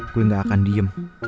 gue gak akan diem